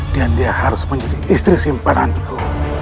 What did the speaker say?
dan dia harus menjadi istri simpananku